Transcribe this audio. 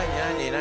何？